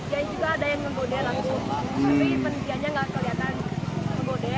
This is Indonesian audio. yang juga ada yang memodel